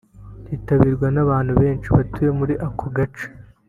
cyitabiriwe n’abantu benshi batuye muri aka gace